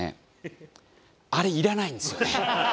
あれいらないんですよね。